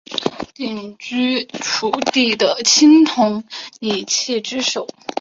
鼎居楚地的青铜礼器之首。